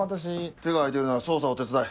手が空いてるなら捜査を手伝え。